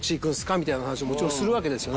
みたいな話もちろんするわけですよ。